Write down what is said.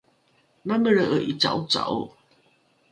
mamelre’e ’ica’oca’o